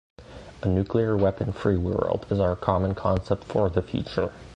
A nuclear-weapon-free world is our common concept for the future.